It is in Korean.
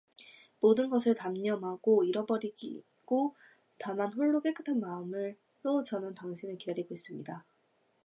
모든 것을 단념하고 잊어버리고 다만 홀로 깨끗한 마음으로 저는 당신을 기다리고 있읍니다.